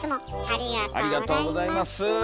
ありがとうございます。